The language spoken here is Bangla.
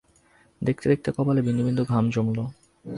দেখতে-দেখতে কপালে বিন্দু-বিন্দু ঘাম জমল।